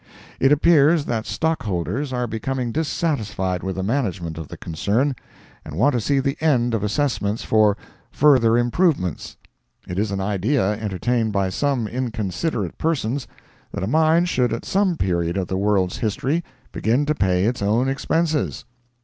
It appears that stockholders are becoming dissatisfied with the management of the concern, and want to see the end of assessments for "further improvements." It is an idea entertained by some inconsiderate persons, that a mine should at some period of the world's history begin to pay its own expenses.